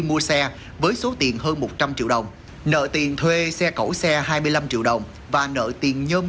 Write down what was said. mua xe với số tiền hơn một trăm linh triệu đồng nợ tiền thuê xe cẩu xe hai mươi năm triệu đồng và nợ tiền nhôm